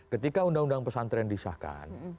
ketika undang undang pesantren disahkan